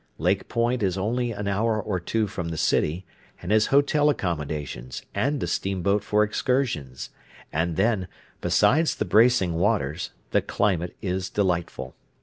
Lake Point is only an hour or two from the city, and has hotel accommodations and a steamboat for excursions; and then, besides the bracing waters, the climate is delightful.